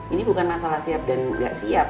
ini bukan masalah siap dan nggak siap